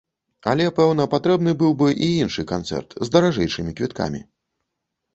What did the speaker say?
Але, пэўна, патрэбны быў бы і іншы канцэрт, з даражэйшымі квіткамі.